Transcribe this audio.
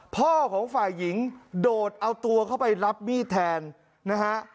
พ่อของฝ่ายหญิงโดดเอาตัวเข้าไปรับมีดแทนนะฮะ